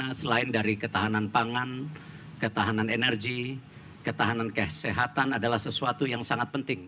bapak juga mengatakan bahwa ketahanan pangan ketahanan energi ketahanan kesehatan adalah sesuatu yang sangat penting